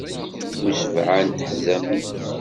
Bu sebɛa n teḥzamin.